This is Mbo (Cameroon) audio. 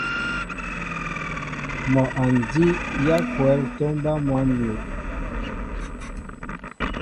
Mol a njii yaakwɛl tomba măn yu.